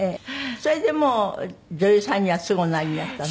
それでもう女優さんにはすぐおなりになったの？